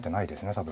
多分。